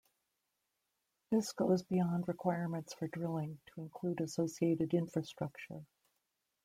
This goes beyond requirements for drilling, to include associated infrastructure.